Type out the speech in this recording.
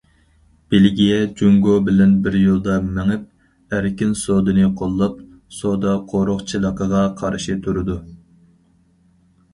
بېلگىيە جۇڭگو بىلەن بىر يولدا مېڭىپ، ئەركىن سودىنى قوللاپ، سودا قورۇقچىلىقىغا قارشى تۇرىدۇ.